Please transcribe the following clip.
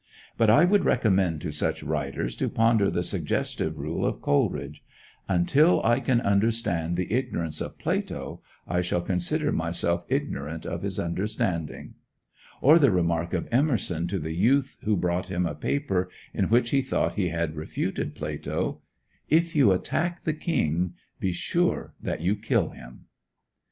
But I would recommend to such writers to ponder the suggestive rule of Coleridge: "Until I can understand the ignorance of Plato, I shall consider myself ignorant of his understanding;" or the remark of Emerson to the youth who brought him a paper in which he thought he had refuted Plato: "If you attack the king, be sure that you kill him."